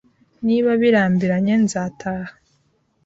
Niba birambiranye, nzataha.